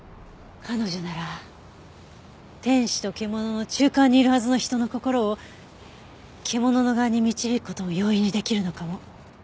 彼女なら天使と獣の中間にいるはずの人の心を獣の側に導く事も容易にできるのかも。